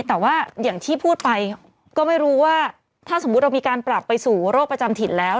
แต่ว่าอย่างที่พูดไปก็ไม่รู้ว่าถ้าสมมุติเรามีการปรับไปสู่โรคประจำถิ่นแล้ว